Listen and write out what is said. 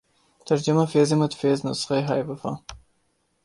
ترجمہ فیض احمد فیض نسخہ ہائے وفا